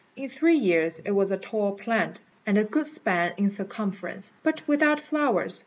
In three years it was a tall plant, and a good span in circumference, but without flowers.